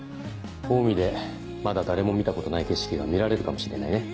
オウミでまだ誰も見たことない景色が見られるかもしれないね。